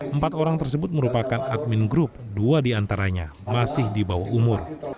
empat orang tersebut merupakan admin grup dua diantaranya masih di bawah umur